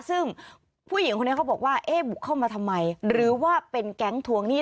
ซึ่งผู้หญิงคนนี้เขาบอกว่าเอ๊ะบุกเข้ามาทำไมหรือว่าเป็นแก๊งทวงหนี้